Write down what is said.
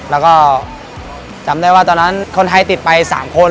แล้วก็จำได้ว่าตอนนั้นคนไทยติดไป๓คน